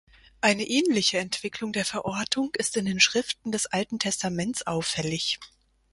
Eine ähnliche Entwicklung der Verortung ist in den Schriften des Alten Testaments auffällig.